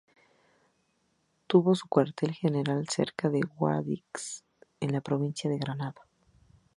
Tuvo su cuartel general cerca de Guadix, en la provincia de Granada.